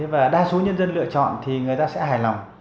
và đa số nhân dân lựa chọn thì người ta sẽ hài lòng